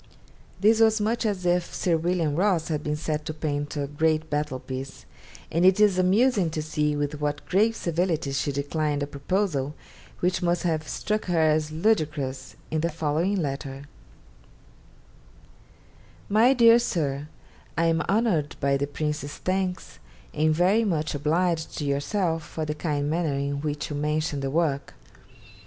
This was much as if Sir William Ross had been set to paint a great battle piece; and it is amusing to see with what grave civility she declined a proposal which must have struck her as ludicrous, in the following letter: 'MY DEAR SIR, I am honoured by the Prince's thanks and very much obliged to yourself for the kind manner in which you mention the work.